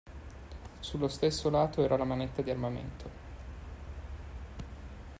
Sullo stesso lato era la manetta di armamento.